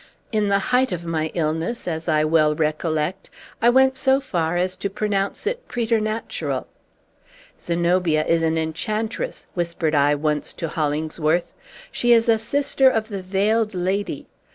In the height of my illness, as I well recollect, I went so far as to pronounce it preternatural. "Zenobia is an enchantress!" whispered I once to Hollingsworth. "She is a sister of the Veiled Lady.